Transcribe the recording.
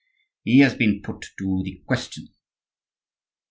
"He has been put to the question."